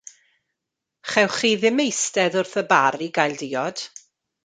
Chewch chi ddim eistedd wrth y bar i gael diod.